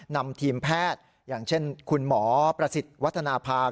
นำทีมแพทย์อย่างเช่นคุณหมอประสิทธิ์วัฒนภาค